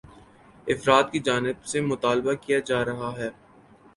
افراد کی جانب سے یہ مطالبہ کیا جا رہا ہے